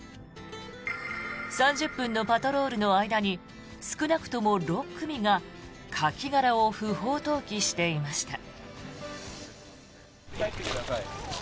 ３０分のパトロールの間に少なくとも６組がカキ殻を不法投棄していました。